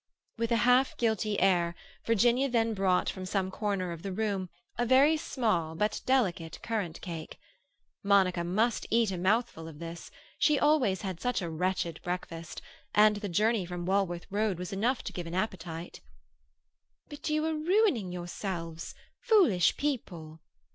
With a half guilty air, Virginia then brought from some corner of the room a very small but delicate currant cake. Monica must eat a mouthful of this; she always had such a wretched breakfast, and the journey from Walworth Road was enough to give an appetite. "But you are ruining yourselves, foolish people!"